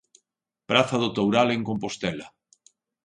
Praza do Toural en Compostela.